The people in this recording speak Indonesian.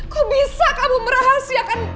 kok bisa kamu merahasiakan